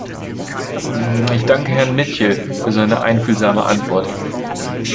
Ich danke Herrn Mitchell für seine einfühlsame Antwort.